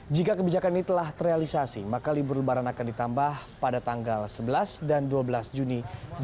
jika kebijakan ini telah terrealisasi maka libur lebaran akan ditambah pada tanggal sebelas dan dua belas juni dua ribu dua puluh